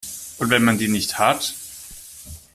Und wenn man die nicht hat?